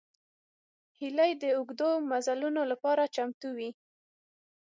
هیلۍ د اوږدو مزلونو لپاره چمتو وي